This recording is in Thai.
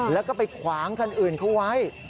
แล้วก็ไปขวางคันอื่นเขาไว้